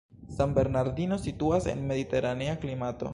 San Bernardino situas en mediteranea klimato.